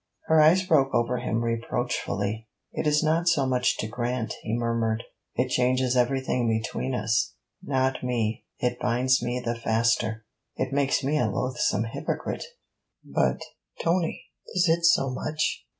Her eyes broke over him reproachfully. 'It is not so much to grant,' he murmured. 'It changes everything between us.' 'Not me. It binds me the faster.' 'It makes me a loathsome hypocrite.' 'But, Tony! is it so much?'